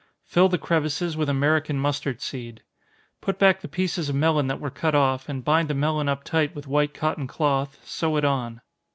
Fill the crevices with American mustard seed. Put back the pieces of melon that were cut off, and bind the melon up tight with white cotton cloth, sew it on.